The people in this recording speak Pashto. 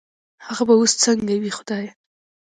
هغه به وس سنګه وي خدايه